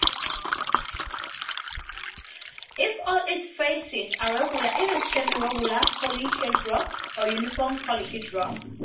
If all its faces are regular, it is a semiregular polyhedron or uniform polyhedron.